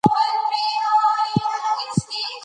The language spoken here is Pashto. کريم : هو په آخر کې زه ستاسو څخه انصاف غواړم.